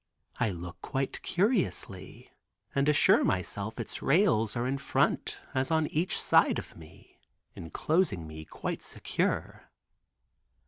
I look quite curiously and assure myself its rails are in front as on each side of me, inclosing me quite secure.